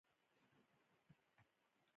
د پرمختیايي هیوادونو ځینې مشترکې ځانګړنې.